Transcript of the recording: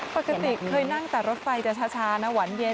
ปกติเคยนั่งแต่รถไฟจะช้านะหวานเย็น